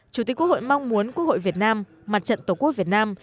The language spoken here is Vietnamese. chủ tịch quốc hội mong muốn quốc hội việt nam mặt trận tổ quốc việt nam